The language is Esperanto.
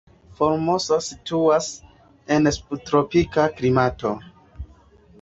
Formosa situas en subtropika klimato.